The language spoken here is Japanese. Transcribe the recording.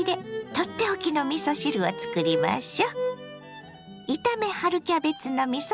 取って置きのみそ汁をつくりましょ。